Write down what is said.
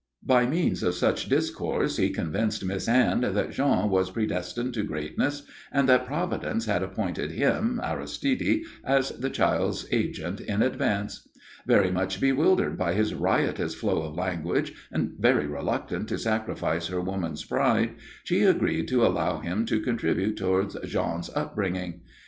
By means of such discourse he convinced Miss Anne that Jean was predestined to greatness and that Providence had appointed him, Aristide, as the child's agent in advance. Very much bewildered by his riotous flow of language and very reluctant to sacrifice her woman's pride, she agreed to allow him to contribute towards Jean's upbringing.